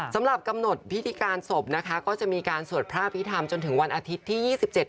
สำหรับกำหนดพิธิการศพนะครับก็จะมีการการการสวดพระพิธามจนถึงวันอาทิตย์ที่๒๗กุมภาพันธุ์ค่ะ